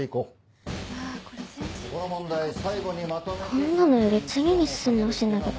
こんなのより次に進んでほしいんだけど。